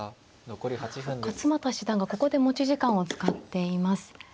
勝又七段がここで持ち時間を使っています。